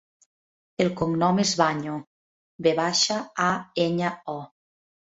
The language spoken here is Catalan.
El cognom és Vaño: ve baixa, a, enya, o.